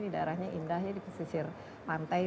daerahnya indah di pesisir pantai